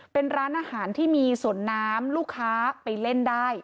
เป็นร้านอาหารที่มีสวนน้ำลูกค้าไปเล่นได้